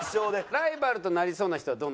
ライバルとなりそうな人はどの人？